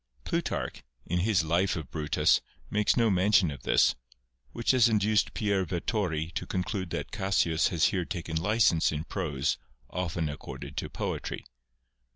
Plutarch, in his life of Brutus, makes no mention of this, which has induced Pier Yettori to conclude that Cassius has here taken licence in prose often accorded to poetry.